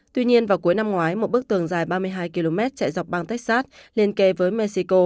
tuy nhiên vào cuối năm ngoái một bức tường dài ba mươi hai km chạy dọc bang texas liên kề với mexico